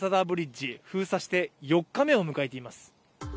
ブリッジ封鎖して４日目を迎えています